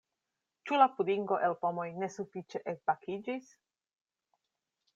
Ĉu la pudingo el pomoj ne sufiĉe elbakiĝis?